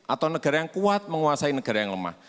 atau negara yang kuat menguasai negara yang lemah